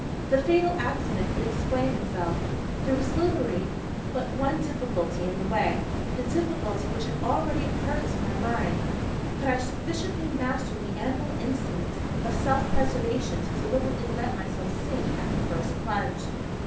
The fatal accident would explain itself. There was literally but one difficulty in the way the difficulty which had already occurred to my mind. Could I sufficiently master the animal instinct of self preservation to deliberately let myself sink at the first plunge?